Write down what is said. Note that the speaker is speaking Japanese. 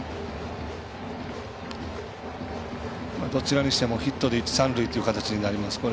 どちらにしても、ヒットで一、三塁という形になります。